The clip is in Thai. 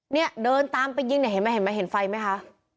เนี่ยเดินตามไปยิงเนี่ยเห็นไหมเห็นไหมเห็นไฟไหมคะ